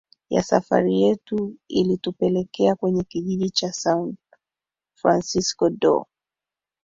ya safari yetu ilitupeleka kwenye kijiji cha Sao Francisco do